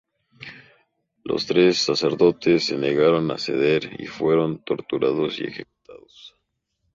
Los tres sacerdotes se negaron a ceder y fueron torturados y ejecutados.